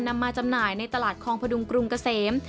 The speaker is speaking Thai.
มาจำหน่ายในตลาดคลองพดุงกรุงเกษม